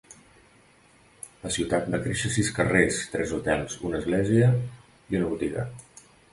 La ciutat va créixer sis carrers, tres hotels, una església i una botiga.